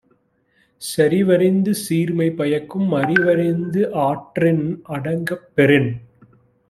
செறிவறிந்து சீர்மை பயக்கும் அறிவறிந்து ஆற்றின் அடங்கப் பெறின்